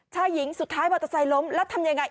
ชายหญิงสุดท้ายมอเตอร์ไซค์ล้มแล้วทำยังไง